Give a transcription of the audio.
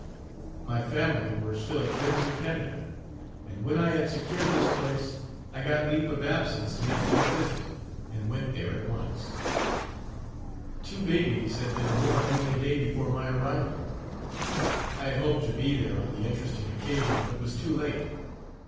My family were still at Windsor, Canada; and, when I had secured this place, I got leave of absence to make them a visit, and went there at once. Two babies had been born only a day before my arrival. I had hoped to be there on the interesting occasion, but was too late.